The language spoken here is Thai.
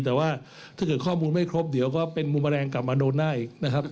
แต่ว่าถ้าเกิดข้อมูลไม่ครบเดี๋ยวก็เป็นมุมแมลงกลับมาโดนหน้าอีกนะครับ